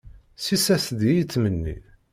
Ssis-as-d i yettmenni.